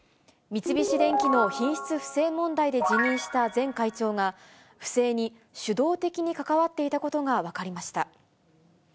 三菱電機の品質不正問題で辞任した前会長が、不正に主導的に関わっていたことが分かりました。